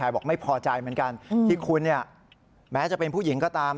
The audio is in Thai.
บอกไม่พอใจเหมือนกันที่คุณเนี่ยแม้จะเป็นผู้หญิงก็ตาม